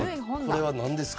これは何ですか？